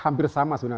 hampir sama sebenarnya